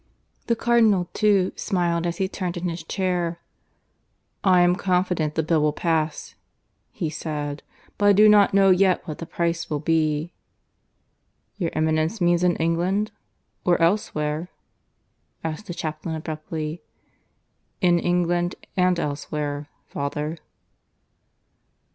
The Cardinal, too, smiled as he turned in his chair. "I am confident the Bill will pass," he said. "But I do not know yet what the price will be." "Your Eminence means in England? Or elsewhere?" asked the chaplain abruptly. "In England and elsewhere, father."